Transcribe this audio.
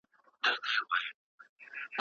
د اقتصاد د کنټرول لپاره بايد لارې چارې برابرې سي.